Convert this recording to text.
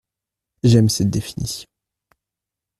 J’aime cette définition…